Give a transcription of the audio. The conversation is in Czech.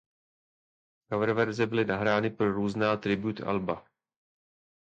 Coververze byly nahrány pro různá tribute alba.